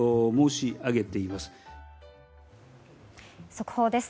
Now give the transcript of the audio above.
速報です。